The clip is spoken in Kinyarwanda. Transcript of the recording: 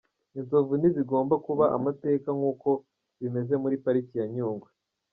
Inzovu ntizigomba kuba amateka nk’uko bimeze muri Pariki ya Nyungwe.